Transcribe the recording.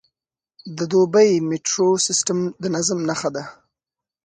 د دوبی میټرو سیستم د نظم نښه ده.